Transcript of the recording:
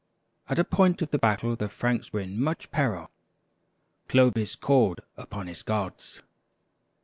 At a point of the battle the Franks were in much peril. Clovis called upon his gods.